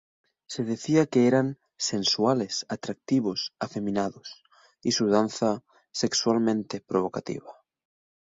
Se decía que eran "sensuales, atractivos, afeminados", y su danza "sexualmente provocativa".